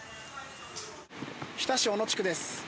日田市小野地区です。